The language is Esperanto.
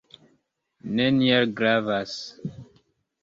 Neniel gravas.